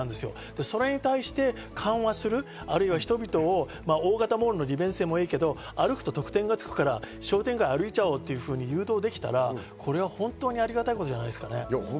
それを緩和する、人々を大型モールの利便性もいいけど歩くと特典がつくから商店街歩いちゃおうというふうに誘導できたらこれは本当にありがたいことじゃないですかね。